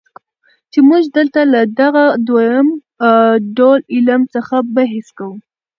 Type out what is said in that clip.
چي موږ دلته له دغه دووم ډول علم څخه بحث کوو.